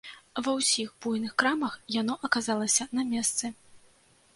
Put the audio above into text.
Ва ўсіх буйных крамах яно аказалася на месцы.